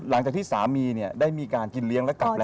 หลังจากที่สามีได้มีการกินเลี้ยงและกลับแล้ว